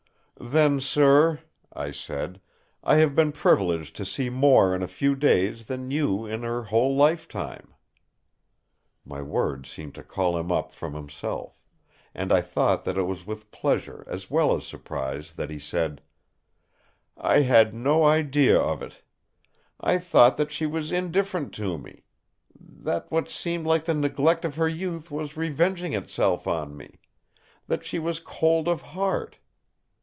"Then, sir," I said, "I have been privileged to see more in a few days than you in her whole lifetime!" My words seemed to call him up from himself; and I thought that it was with pleasure as well as surprise that he said: "I had no idea of it. I thought that she was indifferent to me. That what seemed like the neglect of her youth was revenging itself on me. That she was cold of heart....